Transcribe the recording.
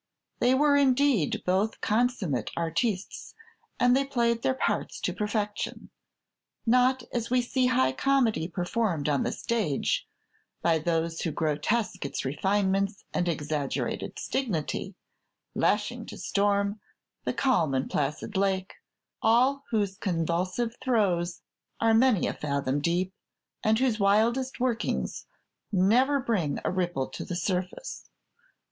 They were indeed both consummate "artists," and they played their parts to perfection, not as we see high comedy performed on the stage, by those who grotesque its refinements and exaggerate its dignity; "lashing to storm" the calm and placid lake, all whose convulsive throes are many a fathom deep, and whose wildest workings never bring a ripple to the surface.